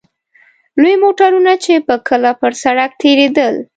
لوی موټرونه چې به کله پر سړک تېرېدل.